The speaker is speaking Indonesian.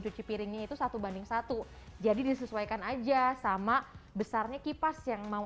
cuci piringnya itu satu banding satu jadi disesuaikan aja sama besarnya kipas yang mau